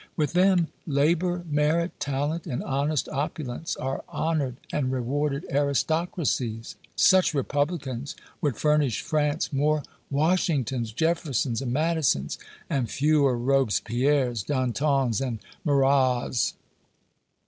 With them, labor, merit, talent and honest opulence are honored and rewarded aristocracies. Such Republicans would furnish France more Washingtons, Jeffersons and Madisons, and fewer Robespierres, Dantons and Marats!"